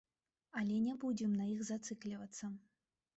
Але не будзем на іх зацыклівацца.